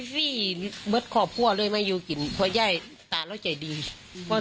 ฟี้เปิดขอบผัวเลยไม่ยุกินพอย่าตารับใจดีเขา